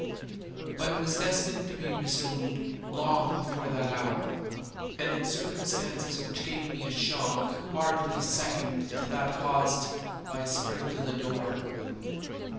But it was destined to be resumed long before that hour, and in circumstances which gave me a shock hardly second to that caused by his spring to the door.